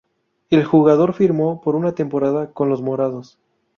El jugador firmó por una temporada con los morados.